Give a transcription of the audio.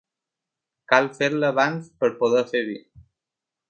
Cal fer-la abans per poder fer vi.